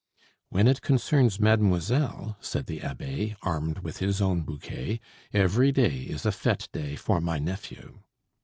"When it concerns mademoiselle," said the abbe, armed with his own bouquet, "every day is a fete day for my nephew."